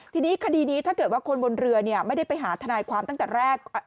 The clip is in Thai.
ทีนี้คดีนี้ถ้าเกิดว่าคนบนเรือไม่ได้ไปหาทนายความตั้งแต่แรก